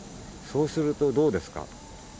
そうするとどうですか。